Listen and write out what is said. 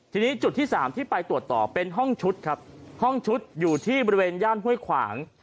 ทีนี้จุดที่สามที่ไปตรวจต่อเป็นห้องชุดครับห้องชุดอยู่ที่บริเวณย่านห้วยขวาง